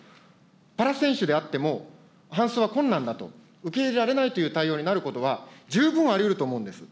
パラ選手であっても、搬送は困難だと、受け入れられないという対応になることは十分ありうると思うんです。